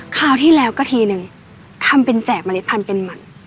คราวที่แล้วก็ทีหนึ่งคำเป็นแจกมะลิทธันเป็นมัน